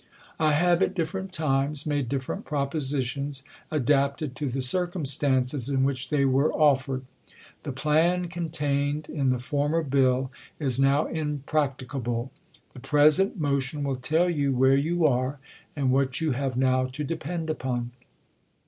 I have at difTerent times made different propositions, adapted to the circumstances in which they were offer ed. The plan contained in the former bill is now im practicable ; the preseiit motion will tell you where vou 216 THE COLUMBIAN ORATOR. you are, and what you have now to depend upon.